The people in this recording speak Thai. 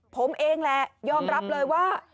ผมเองแหละยอมรับเลยว่า